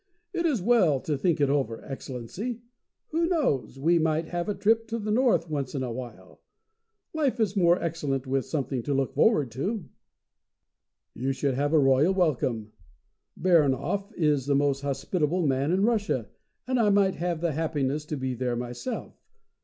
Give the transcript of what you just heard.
It is well to think it over, Excellency. Who knows? we might have a trip to the north once in a while. Life is more excellent with something to look forward to." "You should have a royal welcome. Baranhov is the most hospitable man in Russia, and I might have the happiness to be there myself.